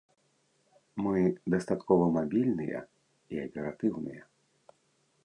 Мы дастаткова мабільныя і аператыўныя.